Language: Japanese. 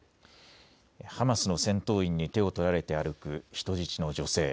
ハマスの戦闘員に手を取られて歩く人質の女性。